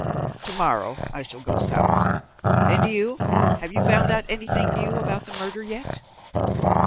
To morrow I shall go South. And you, have you found out anything new about the murder yet?"